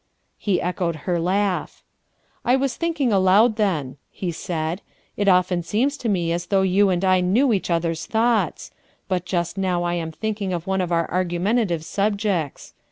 He echoed her laugh. "I was thinking aloud then," he said. "It often seems to me as though you and I knew each other's thoughts. But just now I am thinking of one of our argumentative subjects.